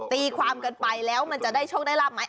ตีความกันไปแล้วมันจะได้โชคได้ราบไหม